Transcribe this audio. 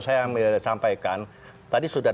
saya menyampaikan tadi sudah